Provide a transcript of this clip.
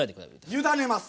委ねます。